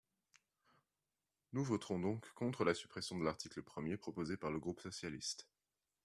Nous voterons donc contre la suppression de l’article premier proposée par le groupe socialiste.